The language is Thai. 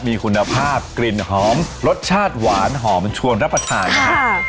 มีคุณภาพกลิ่นหอมรสชาติหวานหอมชวนรับประทานนะครับ